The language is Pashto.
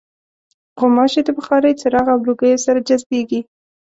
غوماشې د بخارۍ، څراغ او لوګیو سره جذبېږي.